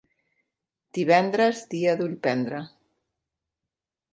Divendres, dia d'ullprendre.